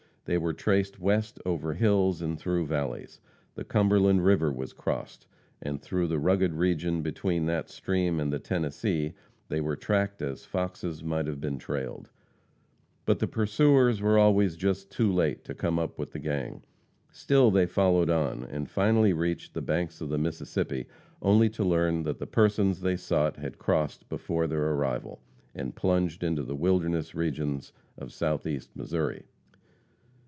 They were traced west over hills and through valleys. The Cumberland river was crossed, and through the rugged region between that stream and the Tennessee, they were tracked as foxes might have been trailed. But the pursuers were always just too late to come up with the gang. Still they followed on, and finally reached the banks of the Mississippi only to learn that the persons they sought had crossed before their arrival, and plunged into the wilderness regions of Southeast Missouri.